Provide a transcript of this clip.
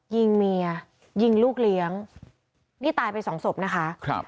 ยิงเมียยิงลูกเลี้ยงนี่ตายไปสองศพนะคะครับ